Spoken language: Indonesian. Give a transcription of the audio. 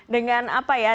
dengan apa ya